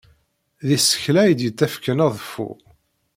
D isekla ay d-yettakfen aḍeffu.